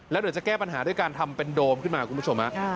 แล้วเดี๋ยวจะแก้ปัญหาด้วยการทำเป็นโดมขึ้นมาคุณผู้ชม